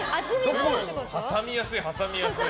挟みやすい、挟みやすい。